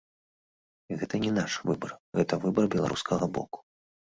Гэта не наш выбар, гэта выбар беларускага боку.